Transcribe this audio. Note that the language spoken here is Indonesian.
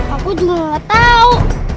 aku juga gak tau